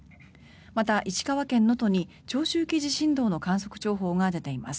また、石川県能登に長周期地震動の観測情報が出ています。